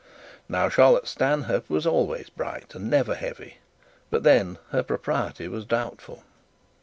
Now Charlotte Stanhope was always bright, and never heavy: but her propriety was doubtful.